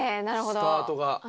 スタートが。